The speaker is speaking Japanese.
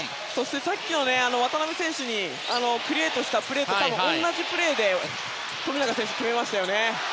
さっき、渡邊選手にクリエートしたプレーと同じプレーで富永選手が決めましたよね。